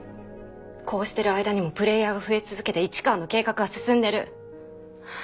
こうしてる間にもプレイヤーが増え続けて市川の計画は進んでる。